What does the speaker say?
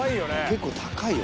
結構高いよ